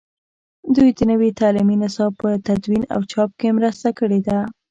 دوی د نوي تعلیمي نصاب په تدوین او چاپ کې مرسته کړې ده.